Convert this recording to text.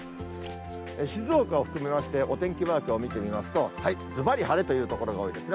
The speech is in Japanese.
静岡を含めまして、お天気マークを見てみますと、ずばり晴れという所が多いですね。